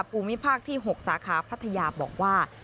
ภูมิภาคที่๖สาขาพัทยาบอกว่า